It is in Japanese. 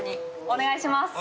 お願いします。